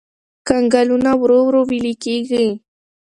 کنګلونه ورو ورو ويلي کېږي.